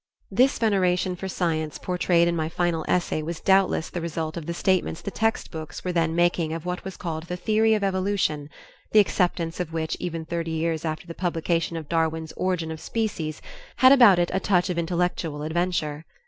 This veneration for science portrayed in my final essay was doubtless the result of the statements the textbooks were then making of what was called the theory of evolution, the acceptance of which even thirty years after the publication of Darwin's "Origin of Species" had about it a touch of intellectual adventure.